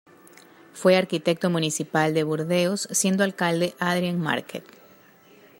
Fue arquitecto municipal de Burdeos, siendo alcalde Adrien Marquet.